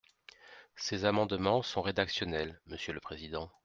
Ces amendements sont rédactionnels, monsieur le président.